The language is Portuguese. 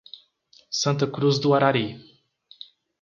Santa Cruz do Arari